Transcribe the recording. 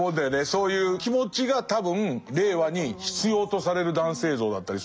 そういう気持ちが多分令和に必要とされる男性像だったりするから。